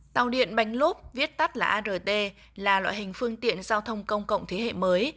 tàu điện bánh lốp viết tắt là art là loại hình phương tiện giao thông công cộng thế hệ mới